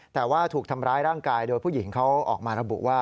แต่ว่าถูกทำร้ายร่างกายโดยผู้หญิงเขาออกมาระบุว่า